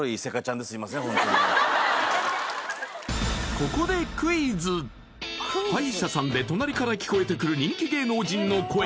ホントに歯医者さんで隣から聞こえてくる人気芸能人の声